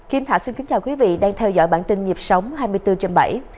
kim thả xin kính chào quý vị đang theo dõi bản tin nhịp sống hai mươi bốn trên bảy